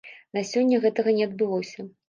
На сёння гэтага не адбылося.